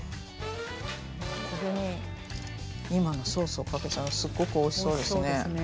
これに今のソースをかけたらすごくおいしそうですね。